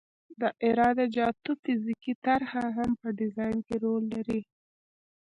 د عراده جاتو فزیکي طرح هم په ډیزاین کې رول لري